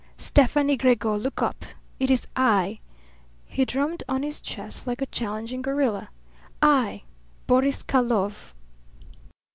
"Stefani Gregor, look up; it is I!" He drummed on his chest like a challenging gorilla. "I, Boris Karlov!"